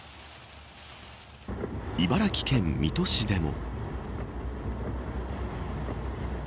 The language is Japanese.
茨城県水戸市でも。